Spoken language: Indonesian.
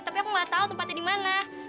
tapi aku gak tau tempatnya dimana